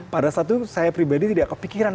pada saat itu saya pribadi tidak kepikiran